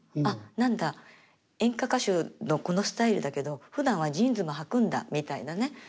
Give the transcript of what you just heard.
「あっ何だ演歌歌手のこのスタイルだけどふだんはジーンズもはくんだ」みたいなね